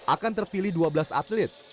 akan terpilih dua belas atlet